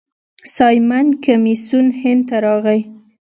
سایمن کمیسیون هند ته راغی.